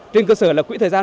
trên cơ sở là quỹ thời gian